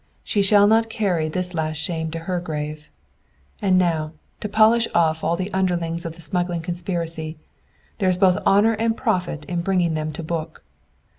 She shall not carry this last shame to her grave. "And now, to polish off all the underlings of the smuggling conspiracy. There is both honor and profit in bringing them to book.